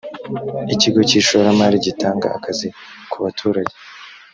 ikigo cy ‘ishoramari gitanga akazi kubaturage.